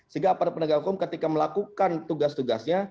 sehingga aparat penegak hukum ketika melakukan tugas tugasnya